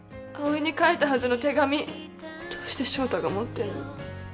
葵に書いたはずの手紙どうして翔太が持ってんの？